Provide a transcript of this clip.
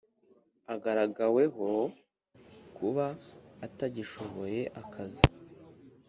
agaragaweho kuba atagishoboye akazi